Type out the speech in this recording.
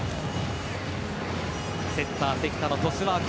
セッター・関田のトスワーク。